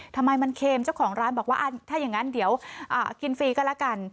ทำไมมันเค็มเจ้าของร้านบอกว่าถ้าอย่างนั้นเดี๋ยวกินฟรีก็แล้วกัน